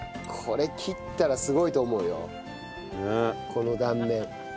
この断面。